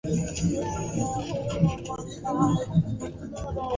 Wanyama wengine wanaopata ugonjwa huu ni kondoo mbuzi na ngombe